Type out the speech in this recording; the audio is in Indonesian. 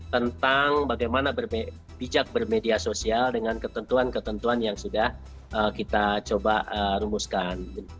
tentang bagaimana bijak bermedia sosial dengan ketentuan ketentuan yang sudah kita coba rumuskan